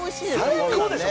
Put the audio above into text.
最高でしょ